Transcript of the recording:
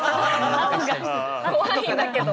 怖いんだけど。